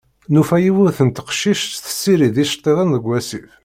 Nufa yiwet n teqcict tessirid iceṭṭiḍen deg wasif.